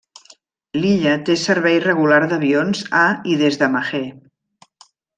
L'illa té servei regular d'avions a i des de Mahé.